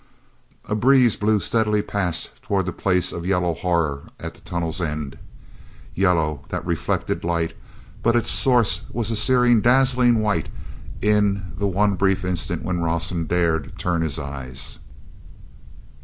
A breeze blew steadily past toward that place of yellow horror at the tunnel's end. Yellow, that reflected light; but its source was a searing, dazzling white in the one brief instant when Rawson dared turn his eyes.